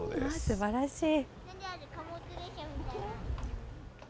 すばらしい。